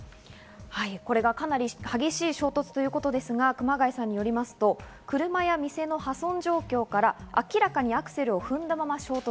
これがかなり激しい衝突ということですが熊谷さんによりますと、車や店の破損状況から明らかにアクセルを踏んだまま衝突。